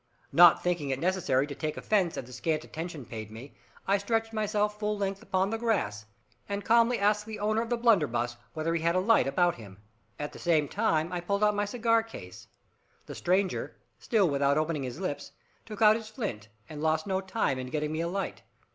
Not thinking it necessary to take offence at the scant attention paid me, I stretched myself full length upon the grass, and calmly asked the owner of the blunderbuss whether he had a light about him. At the same time I pulled out my cigar case. The stranger, still without opening his lips, took out his flint, and lost no time in getting me a light.